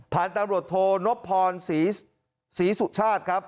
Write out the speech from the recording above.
ผ่านตำรวจโทนพพรศรีสุชาติครับ